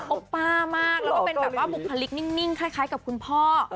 โอป้ามากแล้วก็เป็นแบบว่าบุกพลิกนิ่งนิ่งคล้ายคล้ายกับคุณพ่อเออ